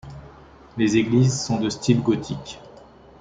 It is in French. Les églises sont de style gothique.